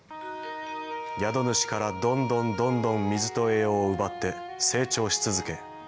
宿主からどんどんどんどん水と栄養を奪って成長し続け